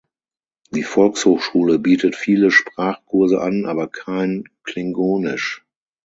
Die Volkshochschule bietet viele Sprachkurse an, aber kein Klingonisch.